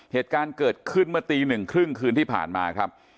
เหตุการณ์เกิดขึ้นเมื่อตีหนึ่งครึ่งคืนที่ผ่านมาครับ